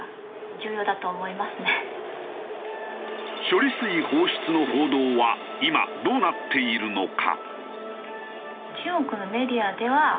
処理水放出の報道は今どうなっているのか？